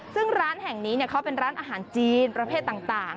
ซึ่งร้านแห่งนี้เขาเป็นร้านอาหารจีนประเภทต่าง